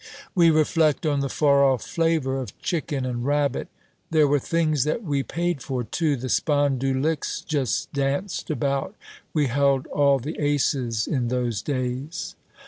We reflect on the far off flavor of chicken and rabbit. "There were things that we paid for, too. The spondu licks just danced about. We held all the aces in those days."